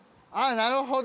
なるほど。